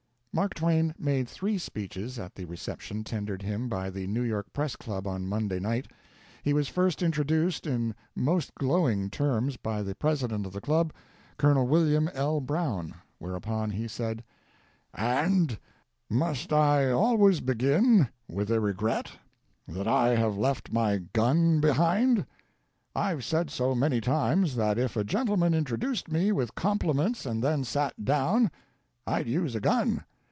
Mark Twain made three speeches at the reception tendered him by the New York Press Club on Monday night. He was first introduced in most glowing terms by the President of the club, Col. William L. Brown, whereupon he said: "And must I always begin with a regret that I have left my gun behind? I've said so many times that if a gentleman introduced me with compliments and then sat down I'd use a gun.